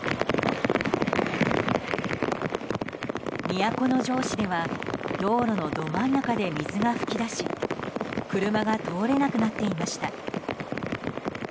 都城市では道路のど真ん中で水が噴き出し車が通れなくなっていました。